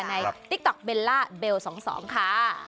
ติ๊กต๊อกเบลล่าเบล๒๒ค่ะ